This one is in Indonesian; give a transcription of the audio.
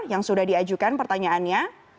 yang sudah diajukan pertanyaannya